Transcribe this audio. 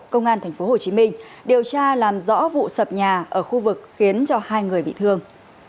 công an tp hcm điều tra làm rõ vụ sập nhà ở khu vực khiến cho hai người bị thương